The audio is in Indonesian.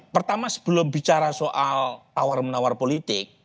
pertama sebelum bicara soal tawar menawar politik